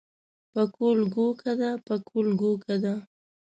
پکول ګو کده پکول ګو کده.